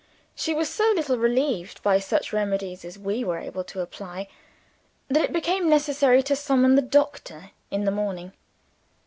She was so little relieved by such remedies as we were able to apply, that it became necessary to summon the doctor in the morning.